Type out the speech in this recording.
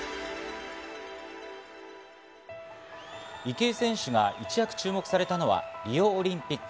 池江選手が一躍注目されたのはリオオリンピック。